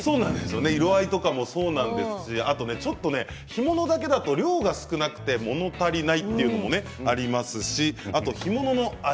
色合いとかもそうなんですが干物だけだと量が少なくてもの足りないっていうのもありますし干物の味